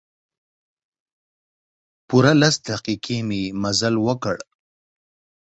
پوره لس دقیقې مې مزل وکړ.